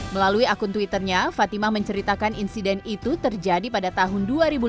melalui akun twitternya fatimah menceritakan insiden itu terjadi pada tahun dua ribu lima belas